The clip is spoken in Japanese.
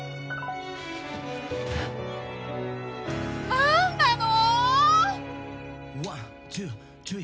何なの！？